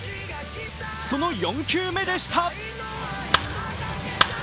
その４球目でした。